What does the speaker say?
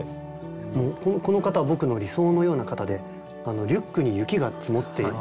もうこの方は僕の理想のような方でリュックに雪が積もっているんです。